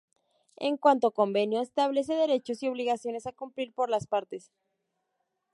En cuanto convenio, establece derechos y obligaciones a cumplir por las partes.